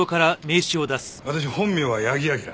私本名は矢木明。